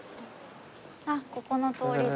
あっここの通りだ。